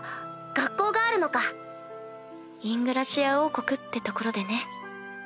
学校があるのか・・イングラシア王国って所でね・・